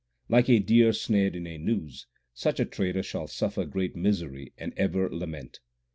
Like a deer snared in a noose, such a trader shall suffer great misery and ever lament.